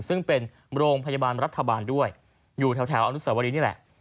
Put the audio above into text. ซึ่งเป็นโรงพยาบาลรัฐบาลด้วยอยู่แถวอนุสวรีนี่แหละ